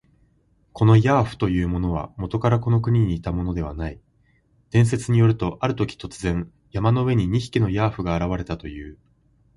このヤーフというものは、もとからこの国にいたものではない。伝説によると、あるとき、突然、山の上に二匹のヤーフが現れたという。